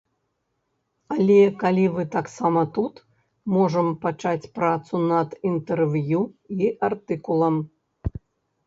Але, калі вы таксама тут, можам пачаць працу над інтэрв'ю і артыкулам.